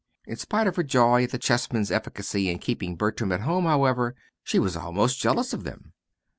In spite of her joy at the chessmen's efficacy in keeping Bertram at home, however, she was almost jealous of them.